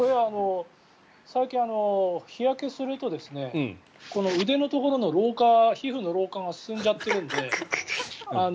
最近、日焼けすると腕のところの老化皮膚の老化が進んじゃっているので。